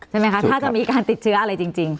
ใช่ไหมคะถ้าจะมีการติดเชื้ออะไรจริง